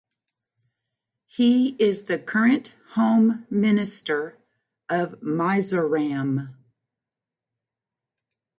He is the current home minister of Mizoram.